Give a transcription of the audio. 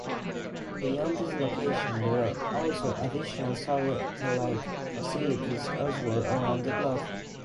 Beyond this location there are also additional satellite facilities elsewhere around the globe.